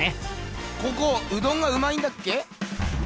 ここうどんがうまいんだっけ？